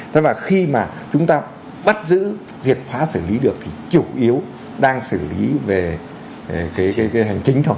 thế và khi mà chúng ta bắt giữ triệt phá xử lý được thì chủ yếu đang xử lý về cái hành chính thôi